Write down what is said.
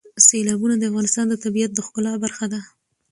سیلابونه د افغانستان د طبیعت د ښکلا برخه ده.